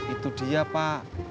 itu dia pak